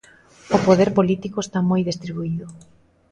O poder político está moi distribuído